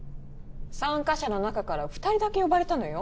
参加者の中から２人だけ呼ばれたのよ。